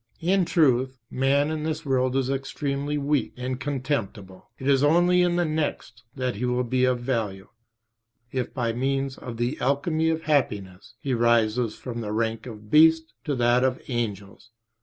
In truth, man in this world is extremely weak and contemptible; it is only in the next that he will be of value, if by means of the "alchemy of happiness" he rises from the rank of beasts to that of angels.